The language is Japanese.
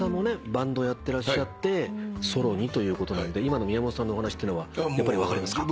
バンドやってらっしゃってソロにということなんで今の宮本さんのお話ってのはやっぱり分かりますか？